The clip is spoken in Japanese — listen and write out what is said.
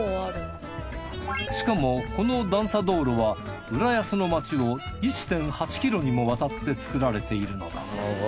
しかもこの段差道路は浦安の街を１．８ｋｍにもわたって作られているのだ。